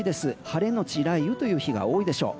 晴れのち雷雨という日が多いでしょう。